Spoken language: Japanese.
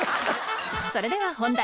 それでは本題！